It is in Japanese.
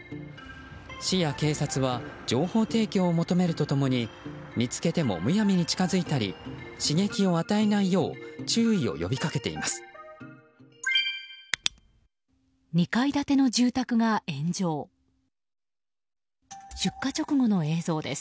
市や警察は情報提供を求めると共に見つけても、むやみに近づいたり刺激を与えないよう注意を呼びかけています。